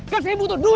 gak saya butuh duit